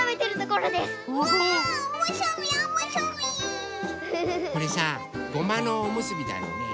これさごまのおむすびだよね。